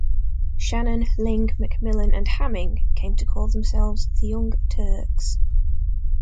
Shannon, Ling, McMillan and Hamming came to call themselves the Young Turks.